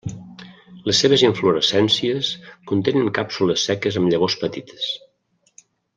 Les seves inflorescències contenen càpsules seques amb llavors petites.